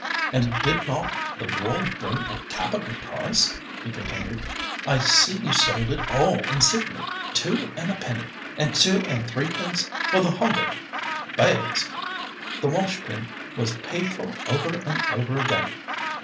And did not the wool bring a capital price?" he continued. "I see you sold it all in Sydney—two and a penny, and two and threepence for the hogget bales. The wash pen was paid for over and over again.